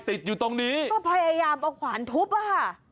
ติดอยู่ตรงนี้ก็พยายามเอาขวานทุบอ่ะค่ะ